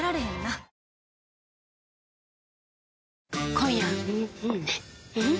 今夜はん